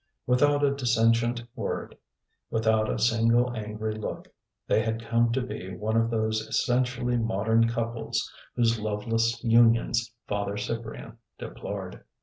Without a dissentient word, without a single angry look, they had come to be one of those essentially modern couples whose loveless unions Father Cyprian deplored.